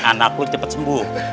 anak lo cepat sembuh